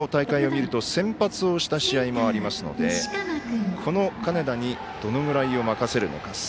秋の大会を見ると先発をした試合もありますので金田にどのぐらいを任せるのか。